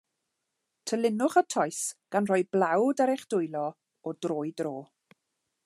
Tylinwch y toes, gan roi blawd ar eich dwylo o dro i dro.